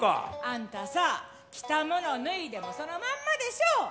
あんたさ着たもの脱いでもそのまんまでしょう！